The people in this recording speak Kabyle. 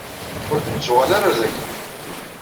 Ur d-nettuɣal ara ɣer dagi.